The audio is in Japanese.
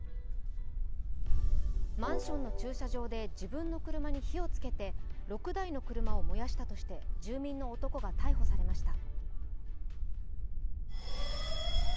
マンションの駐車場で自分の車に火をつけて６台の車を燃やしたとして住民の男が逮捕されました。